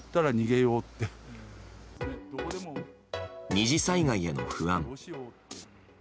２次災害への不安。